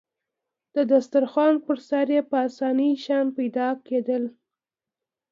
د دسترخوان پر سر يې په اسانۍ شیان پیدا کېدل.